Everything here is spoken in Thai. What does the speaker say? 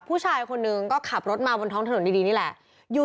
ผู้ชายคนหนึ่งก็ขับรถมาบนท้องถนนดีนี่แหละอยู่